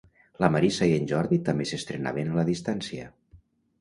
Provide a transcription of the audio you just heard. La Marisa i en Jordi també s'estrenaven a la distància.